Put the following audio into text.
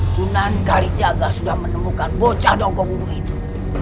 sunan kalijaga sudah menemukan bocah dongkong bungu itu